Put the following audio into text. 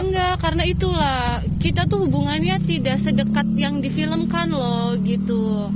enggak karena itulah kita tuh hubungannya tidak sedekat yang difilmkan loh gitu